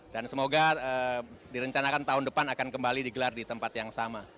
dan semoga direncanakan tahun depan akan kembali digelar di tempat yang sama